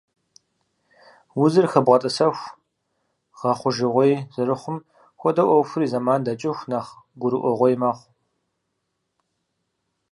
Узыр хэбгъэтӀэсэху гъэхъужыгъуей зэрыхъум хуэдэу Ӏуэхури, зэман дэкӀыху, нэхъ гурыӀуэгъуей мэхъу.